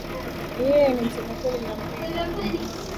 Yeye ni msema kweli nampenda